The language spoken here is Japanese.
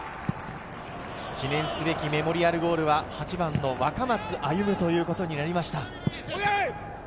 記念すべきメモリアルゴールは８番の若松歩となりました。